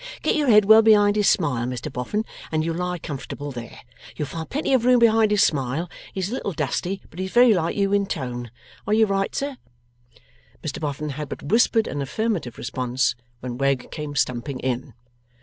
Get your head well behind his smile, Mr Boffin, and you'll lie comfortable there; you'll find plenty of room behind his smile. He's a little dusty, but he's very like you in tone. Are you right, sir?' Mr Boffin had but whispered an affirmative response, when Wegg came stumping in.